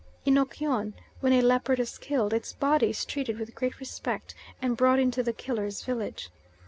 In Okyon, when a leopard is killed, its body is treated with great respect and brought into the killer's village.